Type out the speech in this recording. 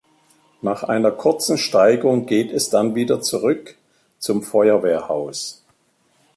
Nach einer kurzen Steigung geht es dann wieder zurück zum Feuerwehrhaus.